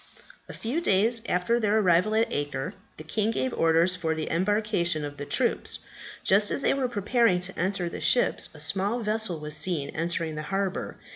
A few days after their arrival at Acre, the king gave orders for the embarcation of the troops. Just as they were preparing to enter the ships a small vessel was seen entering the harbour.